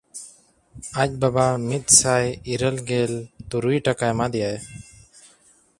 ᱟᱡ ᱵᱟᱵᱟ ᱢᱤᱫᱥᱟᱭ ᱤᱨᱟᱹᱞᱜᱮᱞ ᱛᱩᱨᱩᱭ ᱴᱟᱠᱟ ᱮᱢᱟ ᱫᱮᱭᱟᱭ᱾